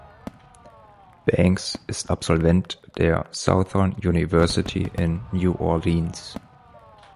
Banks ist Absolvent der Southern University in New Orleans.